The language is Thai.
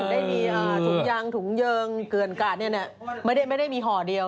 จะได้ทุ่งยังทุ่งเยิงเกือบอันการ์ดเนี่ยมันไม่ได้มาหอเดียว